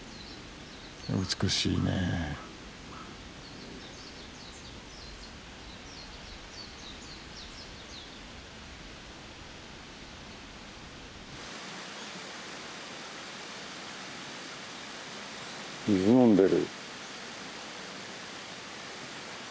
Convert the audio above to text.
美しいね水飲んでる。